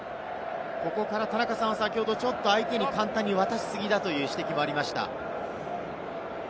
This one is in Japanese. ここから田中さんは先ほど相手に渡しすぎだという指摘もありました。